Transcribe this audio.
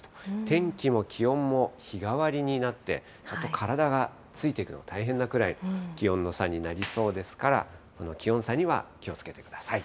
天気も気温も日替わりになって、ちょっと体がついていくのが大変なくらい気温の差になりそうですから、この気温差には気をつけてください。